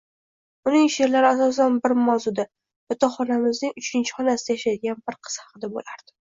Uning sheʼrlari, asosan bir mavzuda — yotoqxonamizning uchinchi xonasida yashaydigan bir qiz haqida boʻlardi...